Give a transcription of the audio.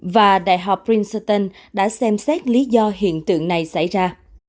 và đại học princuten đã xem xét lý do hiện tượng này xảy ra